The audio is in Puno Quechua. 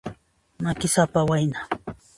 Makisapa wayna.